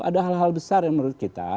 ada hal hal besar yang menurut kita